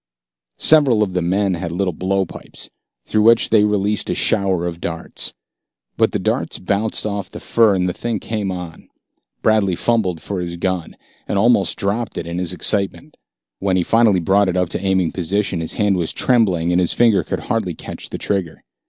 Several of the men had little blowpipes, through which they released a shower of darts. But the darts bounced off the fur, and the thing came on. Bradley fumbled for his gun, and almost dropped it in his excitement. When he finally brought it up into aiming position, his hand was trembling, and his finger could hardly catch the trigger.